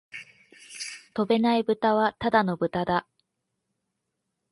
飛べないブタはただの豚だ